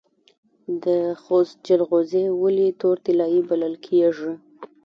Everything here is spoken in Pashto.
د خوست جلغوزي ولې تور طلایی بلل کیږي؟